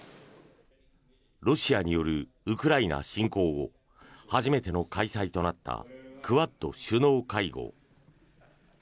ロシアによるウクライナ侵攻後初めての開催となったクアッド首脳会合。